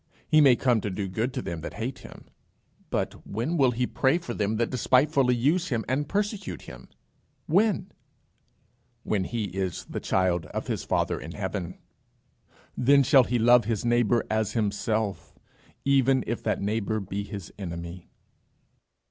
He may come to do good to them that hate him; but when will he pray for them that despitefully use him and persecute him? When? When he is the child of his Father in heaven. Then shall he love his neighbour as himself, even if that neighbour be his enemy.